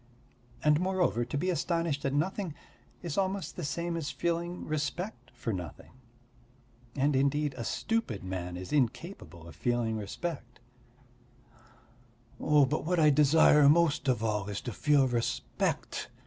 And, moreover, to be astonished at nothing is almost the same as feeling respect for nothing. And indeed a stupid man is incapable of feeling respect." "But what I desire most of all is to feel respect.